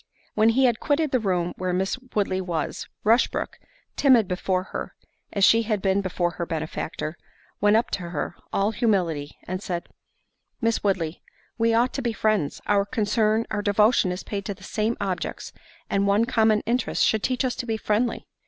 When he had quitted the room where Miss Woodley was, Rushbrook, timid before her, as she had been before her benefactor, went up to her, all humility, and said, "Miss Woodley, we ought to be friends: our concern, our devotion is paid to the same objects, and one common interest should teach us to be friendly."